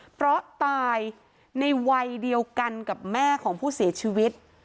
เพราะตายในวัยเดียวกันกับแม่ของผู้เสียชีวิต